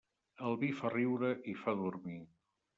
El vi fa riure i fa dormir.